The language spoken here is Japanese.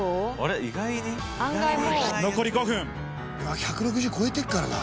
１６０超えてるからな。